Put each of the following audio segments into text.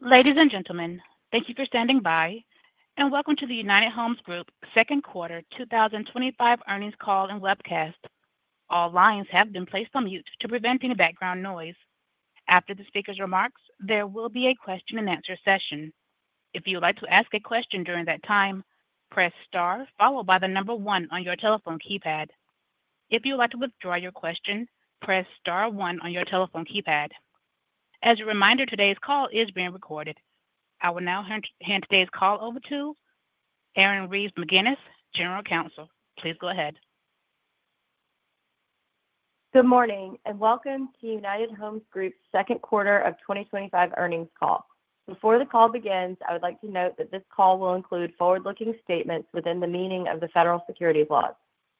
Ladies and gentlemen, thank you for standing by, and welcome to the United Homes Group's Second Quarter 2025 Earnings Call and Webcast. All lines have been placed on mute to prevent any background noise. After the speaker's remarks, there will be a question and answer session. If you would like to ask a question during that time, press star, followed by the number one on your telephone keypad. If you would like to withdraw your question, press star one on your telephone keypad. As a reminder, today's call is being recorded. I will now hand today's call over to Erin Reeves McGinnis, General Counsel. Please go ahead. Good morning and welcome to United Homes Group's Second Quarter of 2025 Earnings Call. Before the call begins, I would like to note that this call will include forward-looking statements within the meaning of the Federal Securities Law.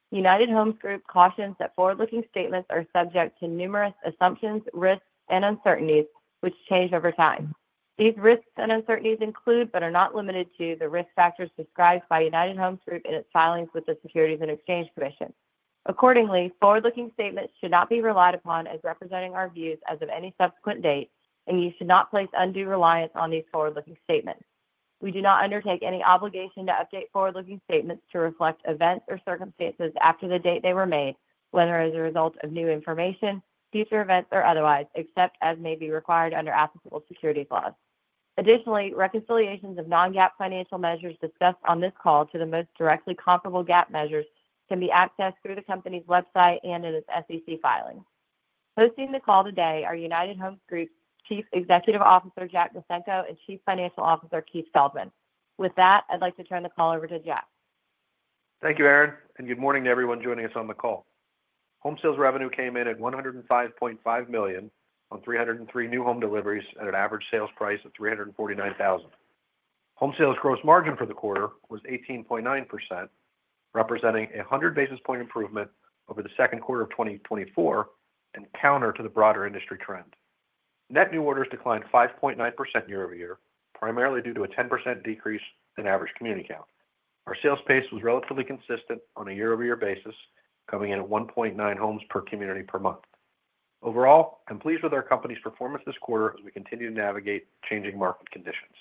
United Homes Group cautions that forward-looking statements are subject to numerous assumptions, risks, and uncertainties, which change over time. These risks and uncertainties include, but are not limited to, the risk factors described by United Homes Group in its filings with the Securities and Exchange Commission. Accordingly, forward-looking statements should not be relied upon as representing our views as of any subsequent date, and you should not place undue reliance on these forward-looking statements. We do not undertake any obligation to update forward-looking statements to reflect events or circumstances after the date they were made, whether as a result of new information, future events, or otherwise, except as may be required under applicable securities laws. Additionally, reconciliations of non-GAAP financial measures discussed on this call to the most directly comparable GAAP measures can be accessed through the company's website and in its SEC filing. Hosting the call today are United Homes Group Chief Executive Officer Jack Micenko and Chief Financial Officer Keith Feldman. With that, I'd like to turn the call over to Jack. Thank you, Erin, and good morning to everyone joining us on the call. Home sales revenue came in at $105.5 million on 303 new home deliveries at an average sales price of $349,000. Home sales gross margin for the quarter was 18.9%, representing a 100 basis point improvement over the second quarter of 2024 and counter to the broader industry trend. Net new orders declined 5.9% year-over-year, primarily due to a 10% decrease in average community count. Our sales pace was relatively consistent on a year-over-year basis, coming in at 1.9 homes per community per month. Overall, I'm pleased with our company's performance this quarter as we continue to navigate changing market conditions.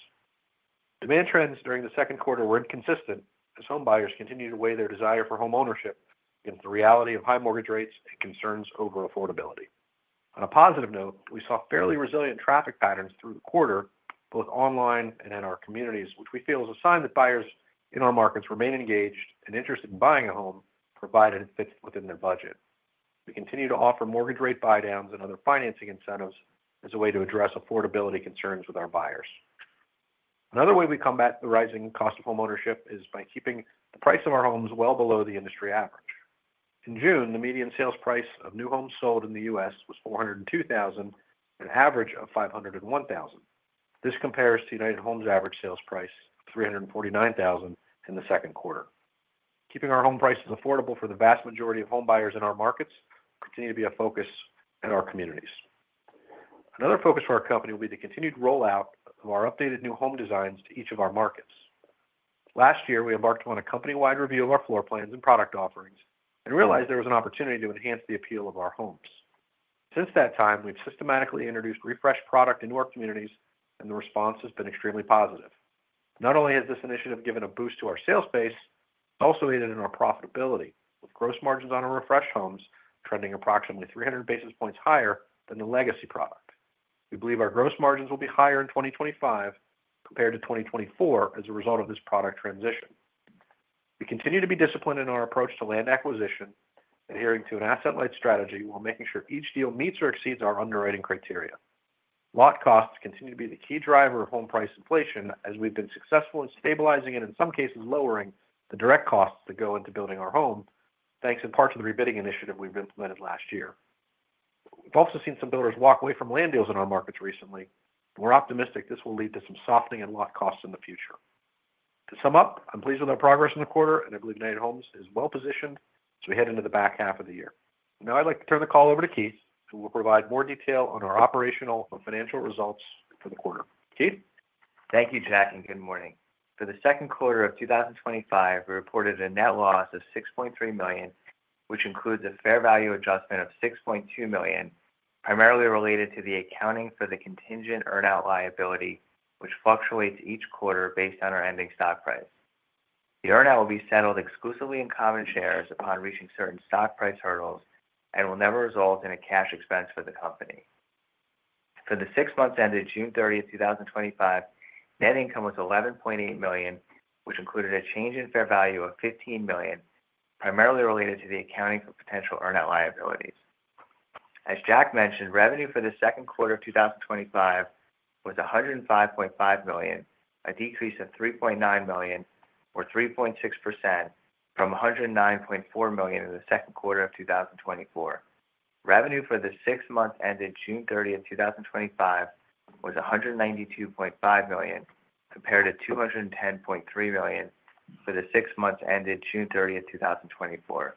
Demand trends during the second quarter were inconsistent as home buyers continued to weigh their desire for home ownership against the reality of high mortgage rates and concerns over affordability. On a positive note, we saw fairly resilient traffic patterns through the quarter, both online and in our communities, which we feel is a sign that buyers in our markets remain engaged and interested in buying a home, provided it fits within their budget. We continue to offer mortgage rate buydowns and other financing incentives as a way to address affordability concerns with our buyers. Another way we combat the rising cost of home ownership is by keeping the price of our homes well below the industry average. In June, the median sales price of new homes sold in the U.S. was $402,000, an average of $501,000. This compares to United Homes Group's average sales price of $349,000 in the second quarter. Keeping our home prices affordable for the vast majority of home buyers in our markets will continue to be a focus in our communities. Another focus for our company will be the continued rollout of our updated new home designs to each of our markets. Last year, we embarked on a company-wide review of our floor plans and product offerings and realized there was an opportunity to enhance the appeal of our homes. Since that time, we've systematically introduced refreshed product into our communities, and the response has been extremely positive. Not only has this initiative given a boost to our sales pace, it's also aided in our profitability, with gross margins on our refreshed homes trending approximately 300 basis points higher than the legacy product. We believe our gross margins will be higher in 2025 compared to 2024 as a result of this product transition. We continue to be disciplined in our approach to land acquisition, adhering to an asset-led strategy while making sure each deal meets or exceeds our underwriting criteria. Lot costs continue to be the key driver of home price inflation as we've been successful in stabilizing and, in some cases, lowering the direct costs that go into building our home, thanks in part to the rebidding initiative we've implemented last year. We've also seen some builders walk away from land deals in our markets recently, and we're optimistic this will lead to some softening in lot costs in the future. To sum up, I'm pleased with our progress in the quarter, and I believe United Homes is well positioned as we head into the back half of the year. Now I'd like to turn the call over to Keith, who will provide more detail on our operational and financial results for the quarter. Keith? Thank you, Jack, and good morning. For the second quarter of 2025, we reported a net loss of $6.3 million, which includes a fair value adjustment of $6.2 million, primarily related to the accounting for the contingent earnout liability, which fluctuates each quarter based on our ending stock price. The earnout will be settled exclusively in common shares upon reaching certain stock price hurdles and will never result in a cash expense for the company. For the six months ended June 30th, 2025, net income was $11.8 million, which included a change in fair value of $15 million, primarily related to the accounting for potential earnout liabilities. As Jack mentioned, revenue for the second quarter of 2025 was $105.5 million, a decrease of $3.9 million, or 3.6% from $109.4 million in the second quarter of 2024. Revenue for the six months ended June 30th, 2025 was $192.5 million compared to $210.3 million for the six months ended June 30th, 2024.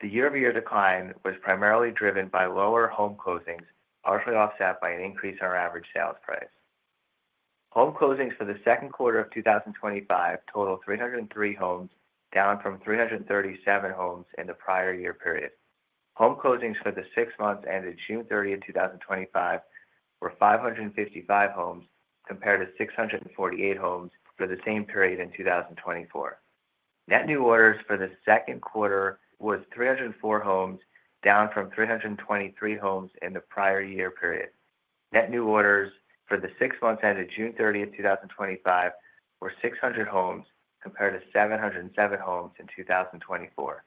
The year-over-year decline was primarily driven by lower home closings, partially offset by an increase in our average sales price. Home closings for the second quarter of 2025 totaled 303 homes, down from 337 homes in the prior year period. Home closings for the six months ended June 30th, 2025 were 555 homes compared to 648 homes for the same period in 2024. Net new orders for the second quarter were 304 homes, down from 323 homes in the prior year period. Net new orders for the six months ended June 30th, 2025 were 600 homes compared to 707 homes in 2024.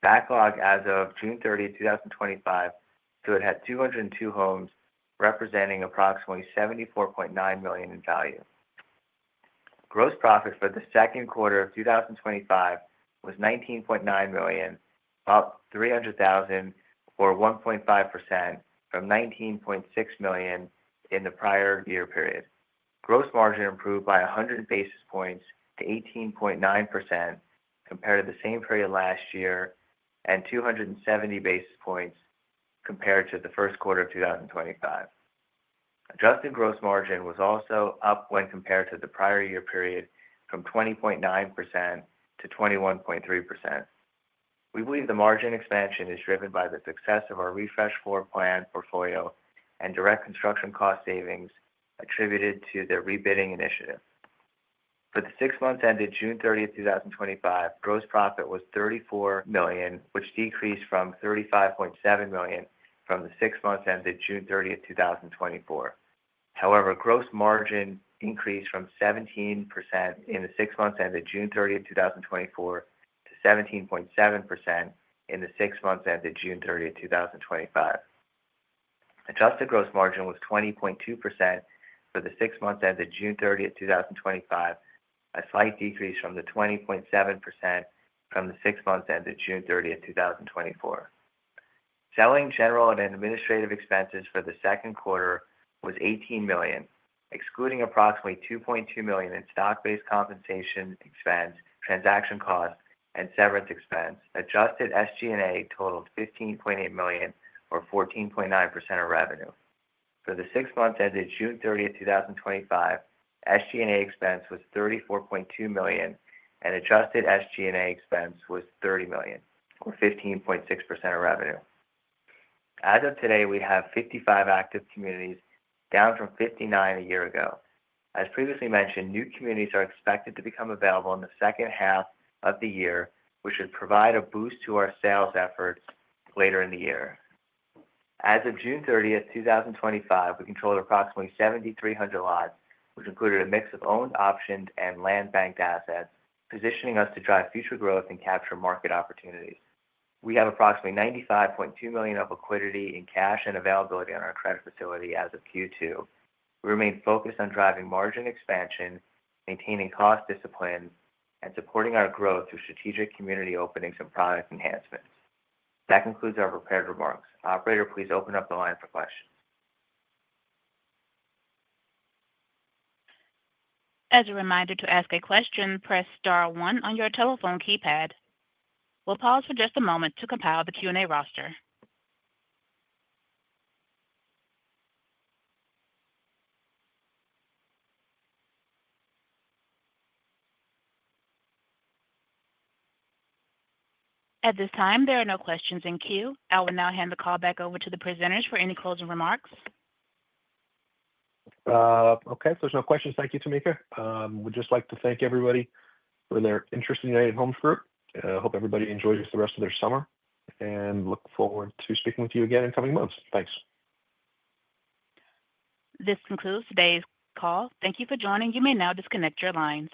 Backlog as of June 30th, 2025, had 202 homes representing approximately $74.9 million in value. Gross profits for the second quarter of 2025 were $19.9 million, about $300,000 or 1.5% from $19.6 million in the prior year period. Gross margin improved by 100 basis points to 18.9% compared to the same period last year and 270 basis points compared to the first quarter of 2025. Adjusted gross margin was also up when compared to the prior year period from 20.9% to 21.3%. We believe the margin expansion is driven by the success of our refreshed floor plan portfolio and direct construction cost savings attributed to the rebidding initiative. For the six months ended June 30th, 2025, gross profit was $34 million, which decreased from $35.7 million from the six months ended June 30th, 2024. However, gross margin increased from 17% in the six months ended June 30th, 2024 to 17.7% in the six months ended June 30th, 2025. Adjusted gross margin was 20.2% for the six months ended June 30th, 2025, a slight decrease from the 20.7% from the six months ended June 30th, 2024. Selling, general, and administrative expenses for the second quarter were $18 million, excluding approximately $2.2 million in stock-based compensation expense, transaction cost, and severance expense. Adjusted SG&A totaled $15.8 million or 14.9% of revenue. For the six months ended June 30th, 2025, SG&A expense was $34.2 million and adjusted SG&A expense was $30 million or 15.6% of revenue. As of today, we have 55 active communities, down from 59 a year ago. As previously mentioned, new communities are expected to become available in the second half of the year, which would provide a boost to our sales efforts later in the year. As of June 30th, 2025, we controlled approximately 7,300 lots, which included a mix of owned options and land banked assets, positioning us to drive future growth and capture market opportunities. We have approximately $95.2 million of liquidity in cash and availability on our credit facility as of Q2. We remain focused on driving margin expansion, maintaining cost discipline, and supporting our growth through strategic community openings and product enhancements. That concludes our prepared remarks. Operator, please open up the line for questions. As a reminder to ask a question, press star one on your telephone keypad. We'll pause for just a moment to compile the Q&A roster. At this time, there are no questions in queue. I will now hand the call back over to the presenters for any closing remarks. Okay, so there's no questions. Thank you, Tamika. We'd just like to thank everybody for their interest in United Homes Group. I hope everybody enjoys the rest of their summer and look forward to speaking with you again in the coming months. Thanks. This concludes today's call. Thank you for joining. You may now disconnect your lines.